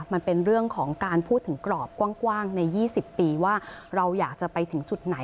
มันเป็นเรื่องของการพูดถึงกรอบกว้างใน๒๐ปีว่าเราอยากจะไปถึงจุดไหน